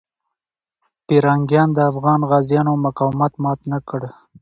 پرنګیان د افغان غازیانو مقاومت مات نه کړ.